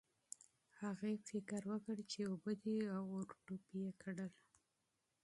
هغې فکر وکړ چې اوبه دي او ور ټوپ یې کړل.